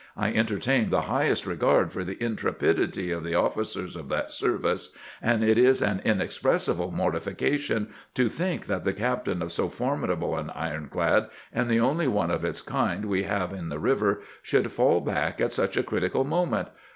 I entertain the highest regard for the intrepidity of the officers of that service, and it is an inexpressible mortification to think that the cap tain of so formidable an ironclad, and the only one of its kind we have in the river, should fall back at such a critical moment.